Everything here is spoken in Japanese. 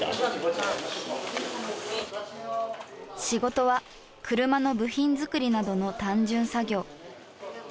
仕事は車の部品作りなどの単純作業。